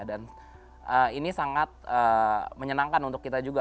dan ini sangat menyenangkan untuk kita juga